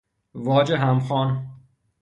واج همخوان